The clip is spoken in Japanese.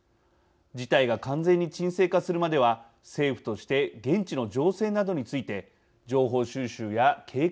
事態が完全に鎮静化するまでは政府として現地の情勢などについて情報収集や警戒が求められます。